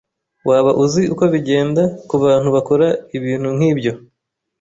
Waba uzi uko bigenda kubantu bakora ibintu nkibyo?